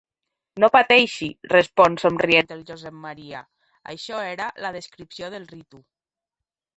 No pateixi –respon somrient el Josep Maria–, això era la descripció del ritu.